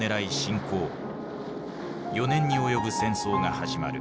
４年に及ぶ戦争が始まる。